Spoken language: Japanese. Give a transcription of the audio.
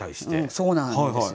そうなんですよ。